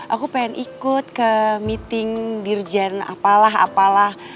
aku pengen ikut ke meeting dirjen apalah apalah